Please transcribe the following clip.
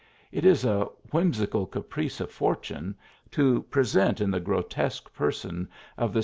It is a whimsical caprice of fortune, to present in the grotesque person of this...